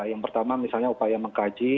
yang pertama misalnya upaya mengkaji